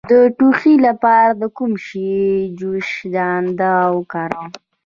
د ټوخي لپاره د کوم شي جوشانده وکاروم؟